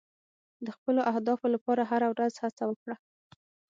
د خپلو اهدافو لپاره هره ورځ هڅه وکړه.